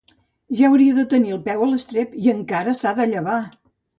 Ja hauria de tenir el peu a l'estrep, i encara s'ha de llevar!